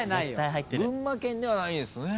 群馬県ではないですね？